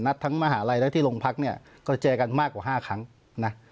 ทั้งมหาลัยและที่โรงพักเนี่ยก็เจอกันมากกว่า๕ครั้งนะ